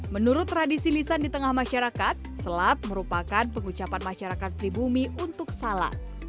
menurut tradisi lisan di tengah masyarakat selat merupakan pengucapan masyarakat pribumi untuk salat